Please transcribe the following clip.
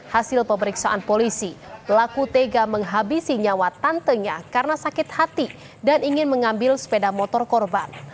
hasil pemeriksaan polisi pelaku tega menghabisi nyawa tantenya karena sakit hati dan ingin mengambil sepeda motor korban